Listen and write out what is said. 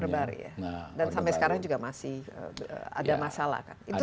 berbari ya dan sampai sekarang juga masih ada masalah kan